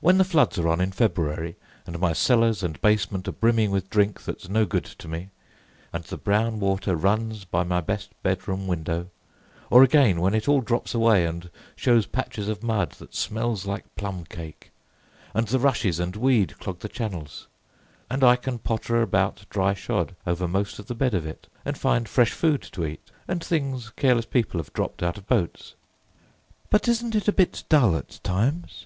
When the floods are on in February, and my cellars and basement are brimming with drink that's no good to me, and the brown water runs by my best bedroom window; or again when it all drops away and, shows patches of mud that smells like plum cake, and the rushes and weed clog the channels, and I can potter about dry shod over most of the bed of it and find fresh food to eat, and things careless people have dropped out of boats!" "But isn't it a bit dull at times?"